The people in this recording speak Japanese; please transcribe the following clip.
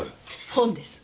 本です。